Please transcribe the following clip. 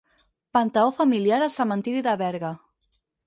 Panteó familiar al cementiri de Berga.